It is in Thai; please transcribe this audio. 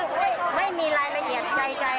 ซึ่งไม่มีรายละเอียดใจให้พนักงานเลย